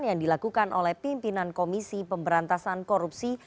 yang dilakukan oleh pimpinan komisi pemberantasan korupsi